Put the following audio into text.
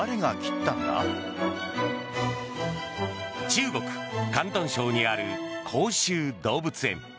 中国・広東省にある広州動物園。